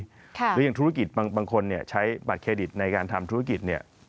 หรือยังธุรกิจบางคนเนี่ยใช้บัตรเครดิตในการทำธุรกิจเนี่ย